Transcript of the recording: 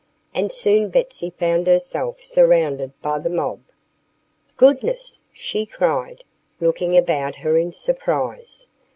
And soon Betsy found herself surrounded by the mob. "Goodness!" she cried, looking about her in surprise.